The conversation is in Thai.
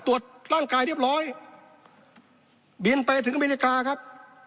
ตรวจร่างกายเรียบร้อยบินไปถึงอเมริกาครับ